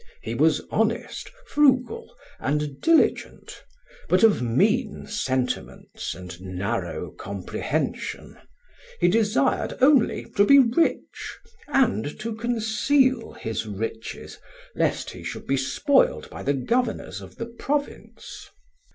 He was honest, frugal, and diligent, but of mean sentiments and narrow comprehension; he desired only to be rich, and to conceal his riches, lest he should be spoiled by the governors of the province."